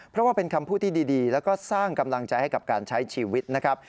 เพราะว่าเป็นคำพูดที่ดีแล้วก็สร้างกำลังใจให้กับการใช้ชีวิตนะครับ